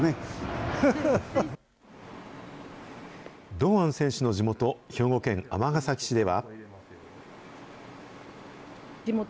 堂安選手の地元、兵庫県尼崎市では。